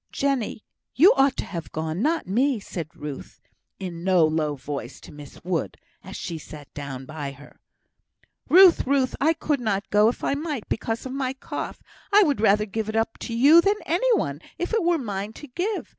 "Jenny! you ought to have gone, not me," said Ruth, in no low voice to Miss Wood, as she sat down by her. "Hush! Ruth. I could not go if I might, because of my cough. I would rather give it up to you than any one, if it were mine to give.